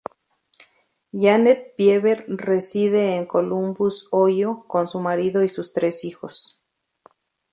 Janet Bieber reside en Columbus, Ohio, con su marido y sus tres hijos.